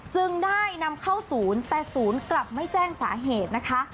จึงได้นำเข้าศูนย์แต่ศูนย์กลับไม่แจ้งสาเหตุนะคะ